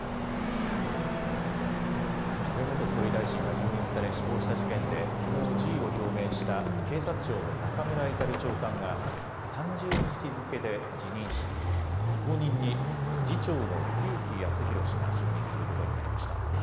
安倍元総理大臣が銃撃され死亡した事件できのう辞意を表明した警察庁の中村格長官が３０日付けで辞任し後任に次長の露木康浩氏が就任することになりました。